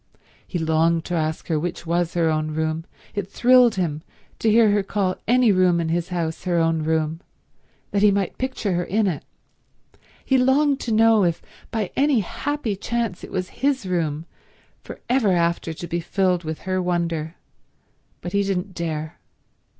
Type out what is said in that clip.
He longed to ask her which was her own room—it thrilled him to hear her call any room in his house her own room—that he might picture her in it. He longed to know if by any happy chance it was his room, for ever after to be filled with her wonder; but he didn't dare.